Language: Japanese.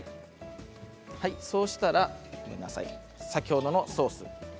そうしたら先ほどのソース